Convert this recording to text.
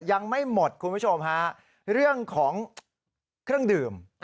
ยังไม่หมดคุณผู้ชมฮะเรื่องของเครื่องดื่ม